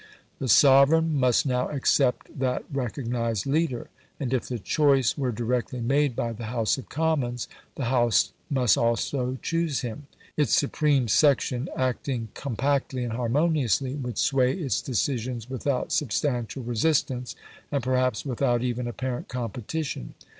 The sovereign must now accept that recognised leader; and if the choice were directly made by the House of Commons, the House must also choose him; its supreme section, acting compactly and harmoniously, would sway its decisions without substantial resistance, and perhaps without even apparent competition.